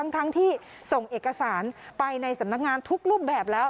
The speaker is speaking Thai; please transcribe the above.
ทั้งที่ส่งเอกสารไปในสำนักงานทุกรูปแบบแล้ว